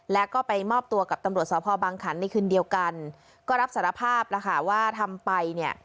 แล้วก็ไปมอบตัวกับตำรวจสพบังขันในคืนเดียวกันก็รับสารภาพแล้วค่ะว่าทำไปเนี่ย